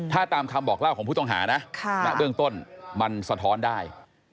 ถ้าตามคำบอกเล่าของผู้ต้องหานะณเบื้องต้นมันสะท้อนได้